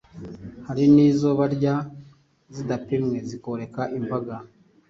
Hari n’izo barya zidapimwe zikoreka imbaga,